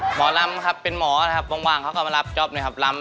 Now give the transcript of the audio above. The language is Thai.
หมอลำครับเป็นหมอนะครับว่างเขาก็มารับจ๊อปด้วยครับลำ